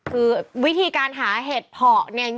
คือวิธีการหาเห็ดเพาะเนี่ย